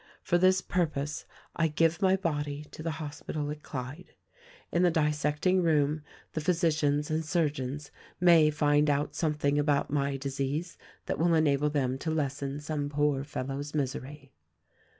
For this purpose I give my body to the hospital at Clyde. In the dissecting room the physicians 260 THE RECORDING ANGEL and surgeons may find out something about my disease that will enable them to lessen some poor fellow's misery.